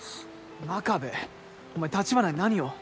真壁お前橘に何を？